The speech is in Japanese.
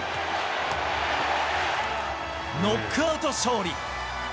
ノックアウト勝利。